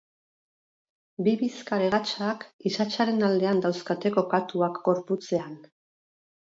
Bi bizkar-hegatsak isatsaren aldean dauzkate kokatuak gorputzean.